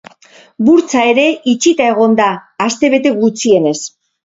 Burtsa ere itxita egongo da, astebete gutxienez.